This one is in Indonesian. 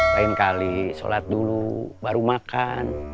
lain kali sholat dulu baru makan